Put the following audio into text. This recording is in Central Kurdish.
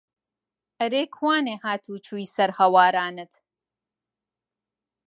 ئەرێ کوانێ هات و چووی سەر هەوارانت